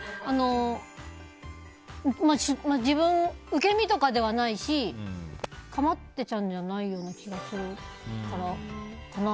受け身とかではないしかまってちゃんじゃないような気がするからかな。